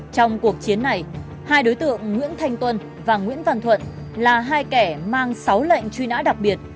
trong cuộc chiến này hai đối tượng nguyễn thanh tuân và nguyễn văn thuận là hai kẻ mang sáu lệnh truy nã đặc biệt